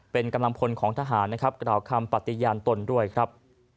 เป็นกำลังพลของทหารนะครับกล่าวคำปฏิญาณตนด้วยครับ